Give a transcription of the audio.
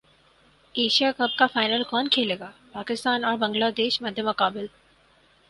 Asia cup کا final کون کھیلے گا پاکستان اور بنگلہ دیش مدمقابل